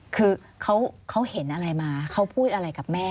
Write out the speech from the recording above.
คือเขาเห็นอะไรมาเขาพูดอะไรกับแม่